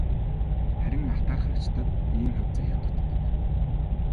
Харин атаархагчдад ийм хувь заяа дутдаг.